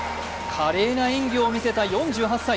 華麗な演技を見せた４８歳。